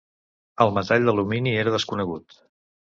El metall d'alumini era desconegut.